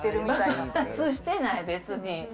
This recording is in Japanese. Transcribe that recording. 爆発してない、別に。